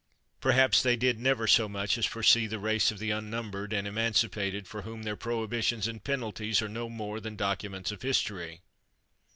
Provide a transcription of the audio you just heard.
Perhaps they did never so much as foresee the race of the unnumbered and emancipated for whom their prohibitions and penalties are no more than documents of history.